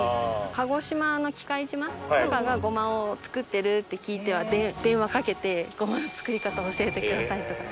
鹿児島の喜界島とかがごまを作ってるって聞いては電話かけて「ごまの作り方教えてください」とか。